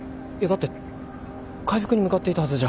だって回復に向かっていたはずじゃ。